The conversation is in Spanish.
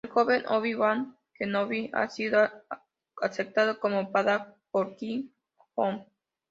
El joven Obi-Wan Kenobi ha sido aceptado como Padawan por Qui-Gon Jinn.